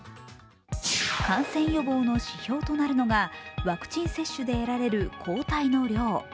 感染予防の指標となるのがワクチン接種で得られる抗体の量。